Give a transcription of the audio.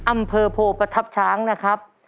อำเภอโพประทับช้างนะครับ